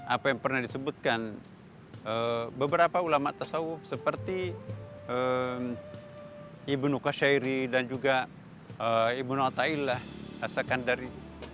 apa yang pernah disebutkan beberapa ulama' tasawuf seperti ibn qasyairi dan juga ibn al ta'ilah asal kandari